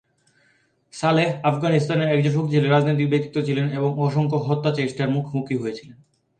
সালেহ আফগানিস্তানের একজন শক্তিশালী রাজনৈতিক ব্যক্তিত্ব ছিলেন এবং অসংখ্য হত্যা চেষ্টার মুখোমুখি হয়েছিলেন।